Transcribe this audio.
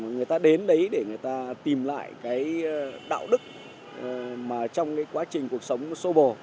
người ta đến đấy để người ta tìm lại cái đạo đức mà trong cái quá trình cuộc sống sô bồ